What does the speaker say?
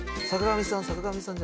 坂上さん。